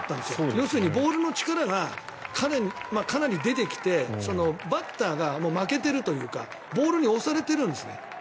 要するにボールの力がかなり出てきてバッターが負けているというかボールに押されてるんですね。